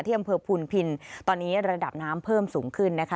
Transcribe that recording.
อำเภอพุนพินตอนนี้ระดับน้ำเพิ่มสูงขึ้นนะคะ